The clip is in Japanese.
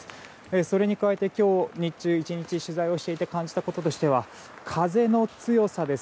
それに加えて今日日中、１日取材して感じたことは風の強さです。